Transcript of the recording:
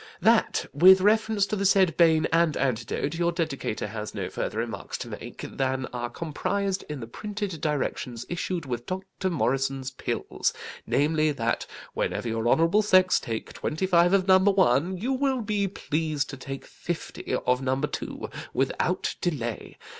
THAT with reference to the said bane and antidote, your Dedicator has no further remarks to make, than are comprised in the printed directions issued with Doctor Morison's pills; namely, that whenever your Honourable sex take twenty five of Number, 1, you will be pleased to take fifty of Number 2, without delay.